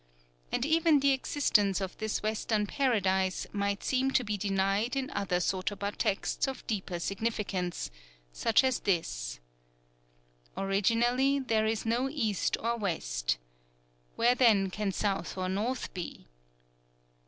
And even the existence of this Western Paradise might seem to be denied in other sotoba texts of deeper significance, such as this: "_Originally there is no East or West: where then can South or North be?